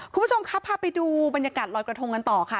คุณผู้ชมครับพาไปดูบรรยากาศลอยกระทงกันต่อค่ะ